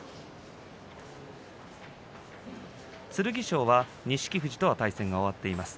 剣翔は錦富士とは対戦が終わっています。